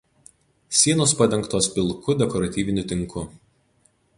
Sienos padengtos pilku dekoratyviniu tinku.